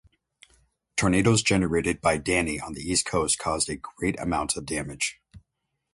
Tornadoes generated by Danny on the East Coast caused a great amount of damage.